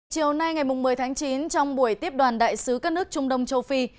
chiều nay ngày một mươi tháng chín trong buổi tiếp đoàn đại sứ các nước trung đông châu phi